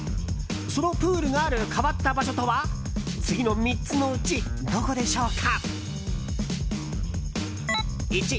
そのプールがある変わった場所とは次の３つのうちどこでしょうか？